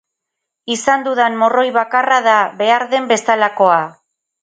Izan dudan morroi bakarra da behar den bezalakoa.